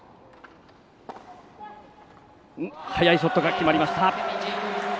速いショットが決まった。